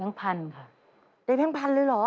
แบงค์พันธุ์ค่ะในแบงค์พันธุ์เลยเหรอ